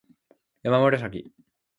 やまむらさき